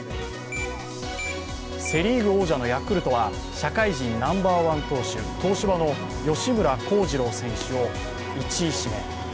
セ・リーグ王者のヤクルトは社会人ナンバーワン投手東芝の吉村貢司郎選手を１位指名。